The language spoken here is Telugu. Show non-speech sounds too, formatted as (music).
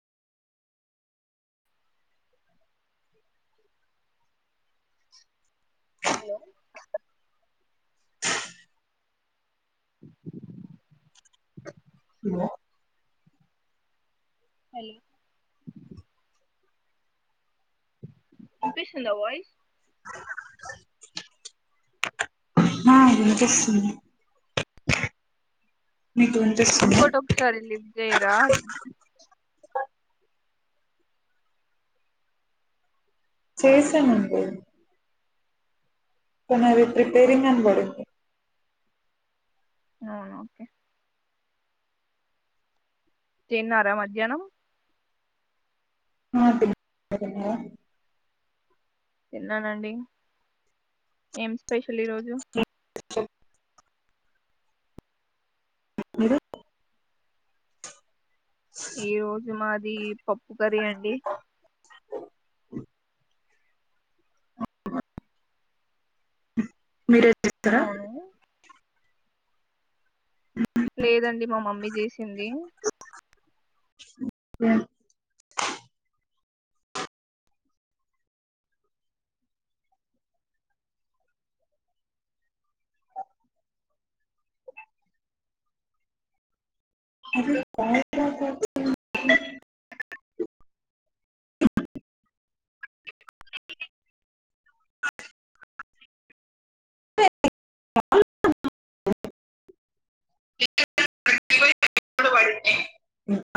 హలో హలో హలో ఇనిపిస్తుందా వాయిస్ ఆ వినిపిస్తుంది మీకు వినిపిస్తుందా ఇంకోటి ఒకసారి లిఫ్ట్ జేయరా చేశానండి తనది ప్రిపేరింగ్ అని పడింది అవునా ఓకే తిన్నారా మధ్యాహ్నం ఆ తిన్నాం మీరు తిన్నారా తిన్నానండి ఏం స్పెషల్ ఈరోజు కే (inaudible) మి మీరు ఈ రోజు మాది పప్పు కర్రి అండి ఓ (inaudible) మీరె అవును లేదండి మా మమ్మీ జేసింది ఉమ్ (inaudible) (inaudible) అంది (inaudible) (inaudible)